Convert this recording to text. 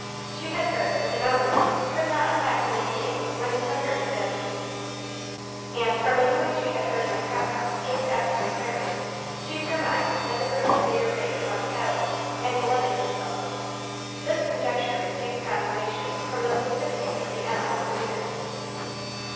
She had heard that the mountain lion could not attack human beings when his hunger had been appeased, and from a noise she had heard in the cow house just after retiring, she surmised that the brute had made a raid upon the cattle and glutted himself; this conjecture received confirmation from the placidity of the animal's demeanor.